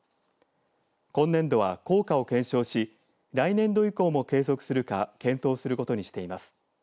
今年度は、効果を検証し来年度以降も継続するか検討することにしています。